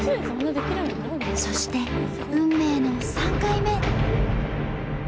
そして運命の３回目。